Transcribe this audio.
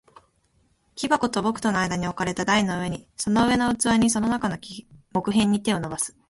木箱と僕との間に置かれた台の上に、その上の器に、その中の木片に、手を伸ばす。